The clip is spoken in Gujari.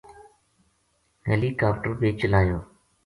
ہیلی کاپٹر بے چلایو